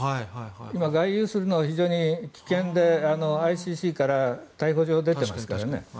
今、外遊するのは非常に危険でＩＣＣから逮捕状が出ていますからね。